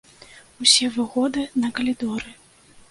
Усе выгоды на калідоры.